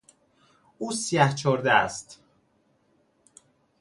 او سیهچرده است.